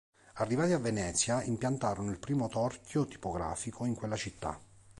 Arrivati a Venezia, impiantarono il primo torchio tipografico in quella città.